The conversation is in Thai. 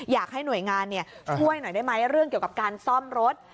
อยากให้หน่วยงานช่วยหน่อยได้ไหมเรื่องเกี่ยวกับการซ่อมรถ